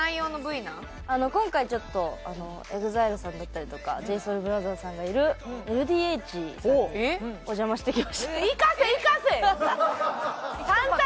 今回ちょっとＥＸＩＬＥさんだったりとかＪＳＯＵＬＢＲＯＴＨＥＲＳさんがいるＬＤＨさんにお邪魔してきました。